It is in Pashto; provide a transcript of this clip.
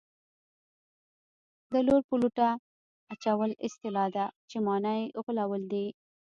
د لور په لوټه اچول اصطلاح ده چې مانا یې غولول دي